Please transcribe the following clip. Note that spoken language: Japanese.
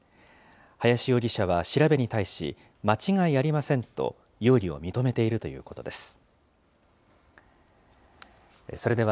林容疑者は調べに対し、間違いありませんと、容疑を認めているということです。